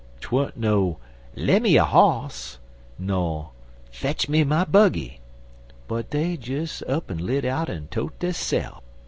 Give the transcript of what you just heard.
'Twan't no 'Lemme a hoss,' ner 'Fetch me my buggy,' but dey des up'n lit out en tote deyse'f.